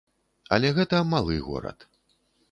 Але гэта малы горад.